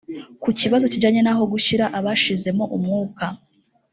Ku kibazo kijyanye n’aho gushyira abashizemo umwuka